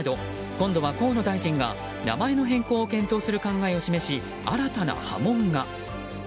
今度は河野大臣が名前の変更を検討する考えを示し新たな波紋が。